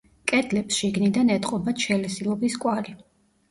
კედლებს შიგნიდან ეტყობათ შელესილობის კვალი.